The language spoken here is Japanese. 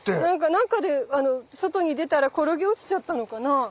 何かで外に出たら転げ落ちちゃったのかな？